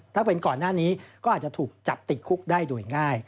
ถ้าเป็นก่อนหน้านี้ก็อาจจะถูกจับติดคุกได้โดยง่าย